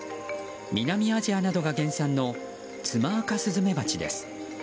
南アジアなどが原産のツマアカスズメバチです。